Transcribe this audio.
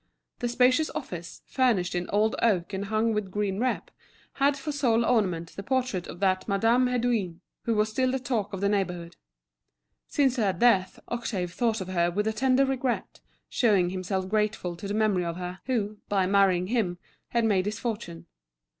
The spacious office, furnished in old oak and hung with green rep, had for sole ornament the portrait of that Madame Hédouin, who was still the talk of the neighbourhood. Since her death Octave thought of her with a tender regret, showing himself grateful to the memory of her, who, by marrying him, had made his fortune.